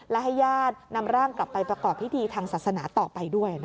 และให้ญาตินำร่างกลับไปประกอบพิธีทางศาสนาต่อไปด้วยนะคะ